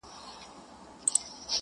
خو بس دا ستا تصوير به كور وران كړو؛